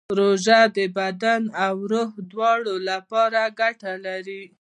روژه د بدن او روح دواړو لپاره ګټه لري.